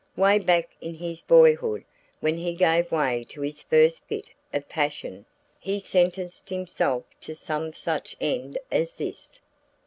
'Way back in his boyhood when he gave way to his first fit of passion, he sentenced himself to some such end as this.